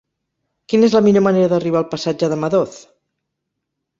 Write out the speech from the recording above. Quina és la millor manera d'arribar al passatge de Madoz?